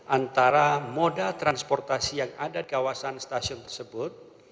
antara moda transportasi yang ada di kawasan stasiun tersebut